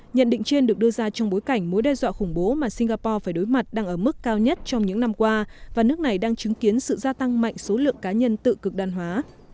nhận định trên được đưa ra trong bối cảnh mối đe dọa khủng bố mà singapore phải đối mặt đang ở mức cao nhất trong những năm qua và nước này đang chứng kiến sự gia tăng mạnh số lượng cá nhân tự cực đoan hóa